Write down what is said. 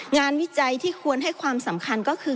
วิจัยที่ควรให้ความสำคัญก็คือ